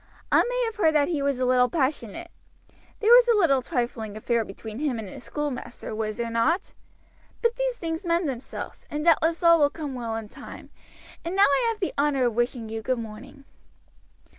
I may have heard that he was a little passionate. There was a trifling affair between him and his schoolmaster, was there not? But these things mend themselves, and doubtless all will come well in time; and now I have the honor of wishing you good morning."